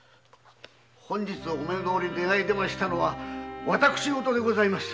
本日お目通りを願い出たのは私ごとでございます。